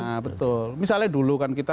nah betul misalnya dulu kan kita